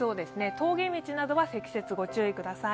峠道などは積雪にご注意ください。